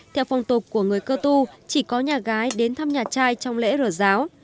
theo phong tục của người cơ tu chỉ có nhà gái đến thăm nhà trai trong lễ rở giáo